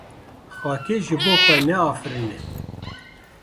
Xakê ji bo xwe naafirîne.